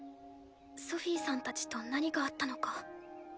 ソフィさんたちと何があったのか。